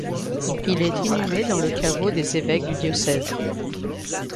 Il est inhumé dans le caveau des évêques du diocèse.